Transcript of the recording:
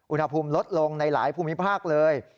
อุณหภูมิลดลงในหลายภูมิภาคเลย